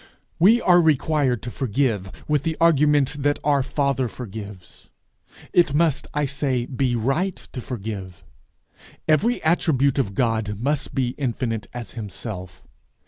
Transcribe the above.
We are required to forgive, with the argument that our father forgives. It must, I say, be right to forgive. Every attribute of God must be infinite as himself.